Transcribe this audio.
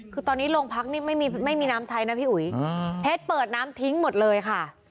คือตอนนี้โรงพักนี่ไม่มีน้ำใช้นะพี่อุ๋ยเพชรเปิดน้ำทิ้งหมดเลยค่ะ